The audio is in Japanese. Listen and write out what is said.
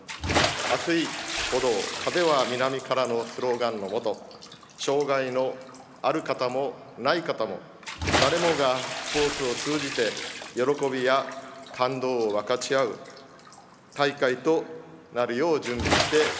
「熱い鼓動風は南から」のスローガンのもと障害のある方もない方も誰もがスポーツを通じて喜びや感動を分かち合う大会となるよう準備してまいりました。